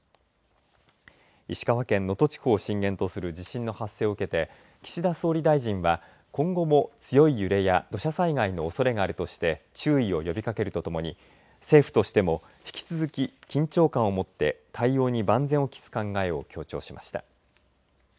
石川県能登地方を震源とする地震の発生を受けて岸田総理大臣は今後も強い揺れや土砂災害のおそれがあるとして注意を呼びかけるとともに政府としても引き続き、緊張感を持って対応に万全を期す考えを強調しました。